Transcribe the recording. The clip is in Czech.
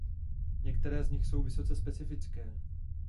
Některé z nich jsou vysoce specifické.